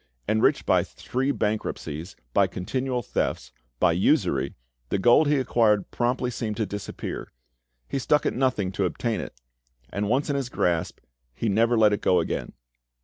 Enriched by three bankruptcies, by continual thefts, by usury, the gold he acquired promptly seemed to disappear. He stuck at nothing to obtain it, and once in his grasp, he never let it go again.